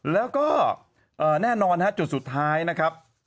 แล้วก็แน่นอนฮะจุดสุดท้ายนะครับ